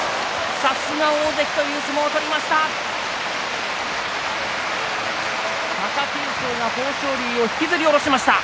さすが大関という相撲を取りました。